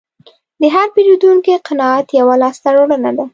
د هر پیرودونکي قناعت یوه لاسته راوړنه ده.